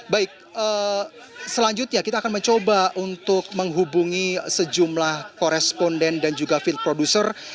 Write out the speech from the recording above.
baik selanjutnya kita akan mencoba untuk menghubungi sejumlah koresponden dan juga field producer